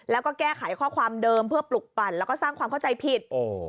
แล้วก็แก้ไขข้อความเดิมเพื่อปลุกปลั่นแล้วก็สร้างความเข้าใจผิด